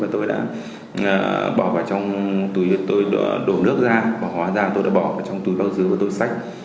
và tôi đã bỏ vào trong túi tôi đổ nước ra bỏ hóa ra tôi đã bỏ vào trong túi bao dư và tôi xách